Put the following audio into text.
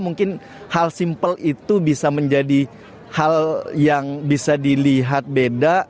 mungkin hal simpel itu bisa menjadi hal yang bisa dilihat beda